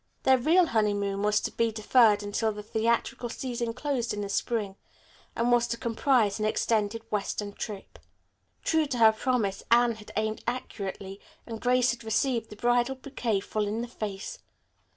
Their real honeymoon was to be deferred until the theatrical season closed in the spring, and was to comprise an extended western trip. True to her promise, Anne had aimed accurately, and Grace had received the bridal bouquet full in the face.